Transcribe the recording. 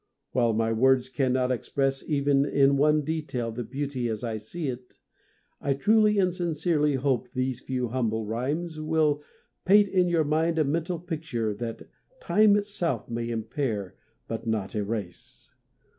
While my words cannot express even in one detail the beauty as I see it, I truly and sincerely hope these few humble rhymes will paint in your mind a mental picture that time itself may impair but not erase.